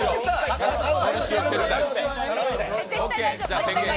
絶対大丈夫。